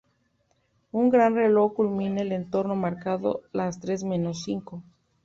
Un gran reloj culmina el entorno, marcando las tres menos cinco.